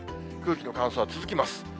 空気の乾燥は続きます。